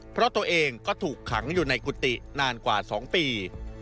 เพราะตัวเองก็ถูกขังอยู่ในกุฏินานกว่า๒ปี